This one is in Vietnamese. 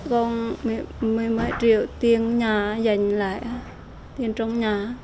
chuyển cho các đối tượng